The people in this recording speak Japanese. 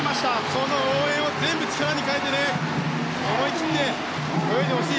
この応援を全部力に変えて思い切って泳いでほしい！